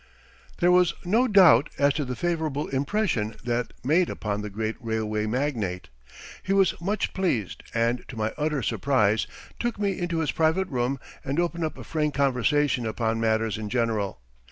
There was no doubt as to the favorable impression that made upon the great railway magnate. He was much pleased and, to my utter surprise, took me into his private room and opened up a frank conversation upon matters in general.